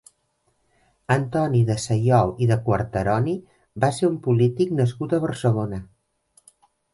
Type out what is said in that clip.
Antoni de Saiol i de Quarteroni va ser un polític nascut a Barcelona.